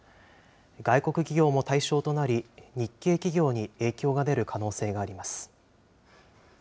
外国企業も対象となり、日系企業に影響が出る可能性があります。